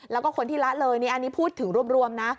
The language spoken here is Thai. แล้วก็คนที่ละเลยนี่อันนี้พูดถึงรวมนะ